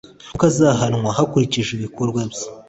kuko azahanwa hakurikijwe ibikorwa bye